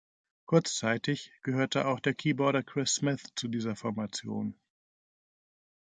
Kurzzeitig gehörte auch der Keyboarder Chris Smith zu dieser Formation.